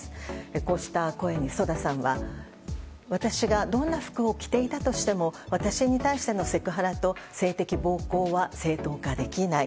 こうした声に、ＳＯＤＡさんは私がどんな服を着ていたとしても私に対してのセクハラと性的暴行は正当化できない。